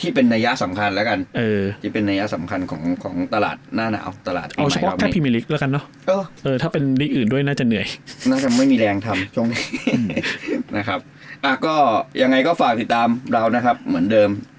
ที่เป็นในยะสำคัญละกันยังไว้ครับอย่างน้อยก็ฝากติดตามกันเหมือนเดิม